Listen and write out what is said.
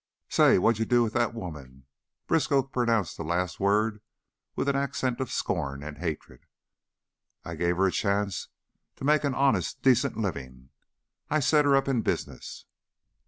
Say, wha'd you do with that woman?" Briskow pronounced the last word with an accent of scorn and hatred. "I gave her a chance to make an honest, decent living. I set her up in business."